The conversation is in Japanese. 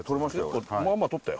俺まあまあとったよ